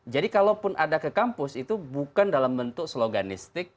jadi kalaupun ada ke kampus itu bukan dalam bentuk sloganistik